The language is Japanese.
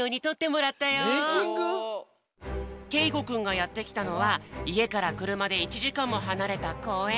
けいごくんがやってきたのはいえからくるまで１じかんもはなれたこうえん。